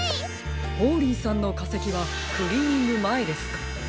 ホーリーさんのかせきはクリーニングまえですか？